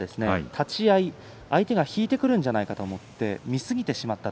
立ち合い、相手が引いてくるんじゃないかと思って見すぎてしまった。